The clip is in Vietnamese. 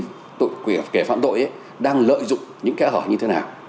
thì mới thấy được là những cái kẻ phạm tội đang lợi dụng những cái hỏi như thế nào